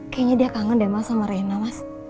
kayaknya dia kangen deh mas sama reina mas